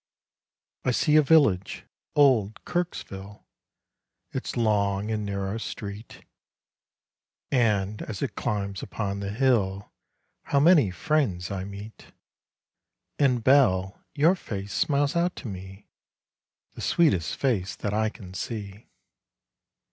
I see a village old Kirksville Its long and narrow street, And as it climbs upon the hill, How many friends I meet! And, Belle, your face smiles out to me The sweetest face that I can see.